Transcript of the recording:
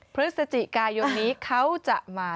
พฤศจิกายนนี้เขาจะมา